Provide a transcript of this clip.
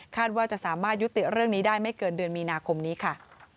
ว่าจะสามารถยุติเรื่องนี้ได้ไม่เกินเดือนมีนาคมนี้ค่ะ